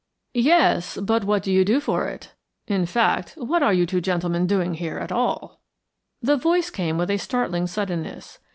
"Yes, but what do you do it for? In fact, what are you two gentlemen doing here at all?" The voice came with a startling suddenness.